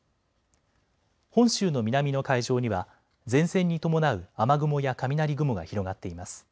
本州の南の海上には前線に伴う雨雲や雷雲が広がっています。